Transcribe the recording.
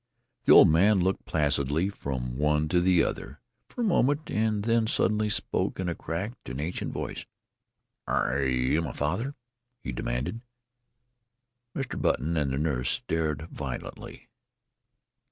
The old man looked placidly from one to the other for a moment, and then suddenly spoke in a cracked and ancient voice. "Are you my father?" he demanded. Mr. Button and the nurse started violently.